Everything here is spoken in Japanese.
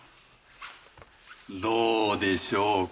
どうでしょうか？